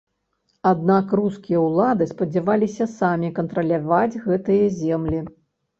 Аднак рускія ўлады спадзяваліся самі кантраляваць гэтыя землі.